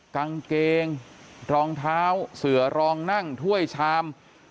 กางเกงรองเท้าเสือรองนั่งถ้วยชาม